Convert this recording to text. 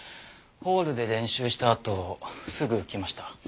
ホールで練習したあとすぐ来ました。